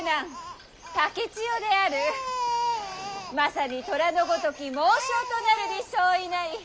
まさに寅のごとき猛将となるに相違ない。